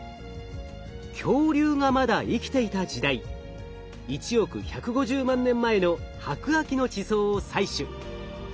恐竜がまだ生きていた時代１億１５０万年前の白亜紀の地層を採取。